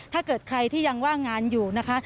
ถ้าเกิดใครที่ยังว่างงานอยู่นะคะ